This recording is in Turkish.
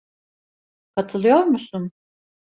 Katılıyor musun?